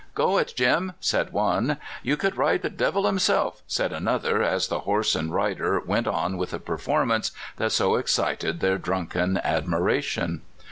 " Go it, Jim! " said one. "You could ride the devil himself! " said an other, as the horse and rider went on with the performance that so excited their drunken admi ration.